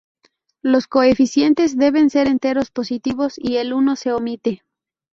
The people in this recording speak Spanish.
Los coeficientes deben ser enteros positivos, y el uno se omite.